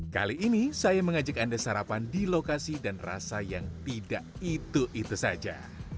kali ini saya mengajak anda sarapan di lokasi dan rasa yang tidak itu itu saja